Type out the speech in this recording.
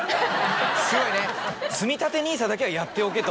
すごいねつみたてＮＩＳＡだけはやっておけと。